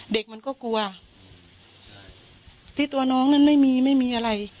เด็กมันก็กลัวที่ตัวน้องนั้นไม่มีไม่มีอะไร